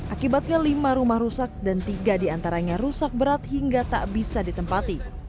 akibatnya lima rumah rusak dan tiga diantaranya rusak berat hingga tak bisa ditempati